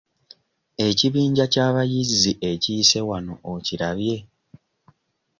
Ekibinja ky'abayizzi ekiyise wano okirabye?